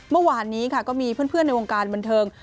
เมื่อวานนี้ค่ะก็มีเพื่อนในวงการบันเทิง